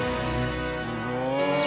すごーい！